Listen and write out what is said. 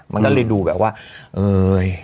มันก็เลยดูแบบว่าเอ้ย